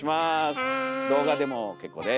動画でも結構です。